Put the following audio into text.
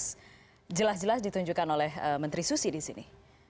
oke oke mas arief respon yang keras jelas jelas ditunjukkan oleh menteri susi di sini